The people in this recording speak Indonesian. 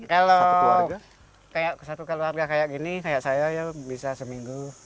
kalau satu keluarga kayak gini kayak saya ya bisa seminggu